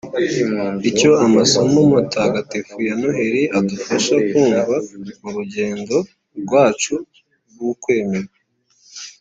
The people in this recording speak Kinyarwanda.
Icyo amasomo matagatifu ya Noheli adufasha kumva mu rugendo rwacu rw’ukwemera